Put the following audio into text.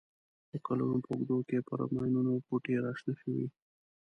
د کلونو په اوږدو کې پر ماینونو بوټي را شنه شوي.